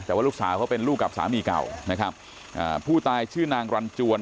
แต่ว่าลูกสาวเขาเป็นลูกกับสามีเก่านะครับอ่าผู้ตายชื่อนางรันจวน